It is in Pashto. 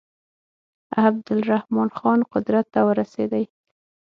عبدالرحمن خان قدرت ته ورسېدی.